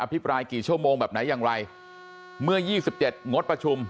พี่ปรายกี่ชั่วโมงแบบไหนอย่างไรเมื่อ๒๗งดประชุม